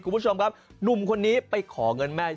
คุณผู้ชมครับหนุ่มคนนี้ไปขอเงินแม่